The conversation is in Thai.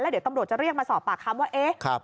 เดี๋ยวตำรวจจะเรียกมาสอบปากคำว่าเอ๊ะ